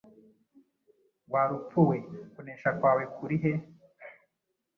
wa rupfu we, kunesha kwawe kuri he?